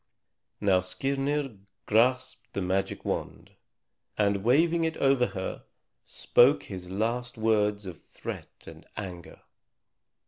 Now Skirnir grasped the magic wand, and waving it over her, spoke his last words of threat and anger.